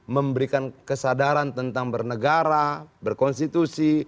memberikan kesadaran tentang bernegara berkonstitusi